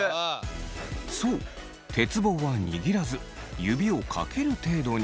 そう鉄棒は握らず指をかける程度に。